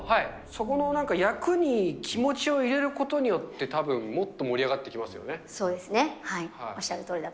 そこのなんか、役に気持ちを入れることによって、たぶん、もっと盛り上がってきまそうですね。